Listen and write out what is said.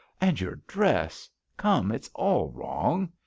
And your dress I — come, it's all wrong.